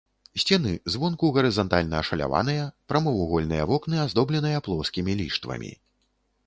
Сцены звонку гарызантальна ашаляваныя, прамавугольныя вокны аздобленыя плоскімі ліштвамі.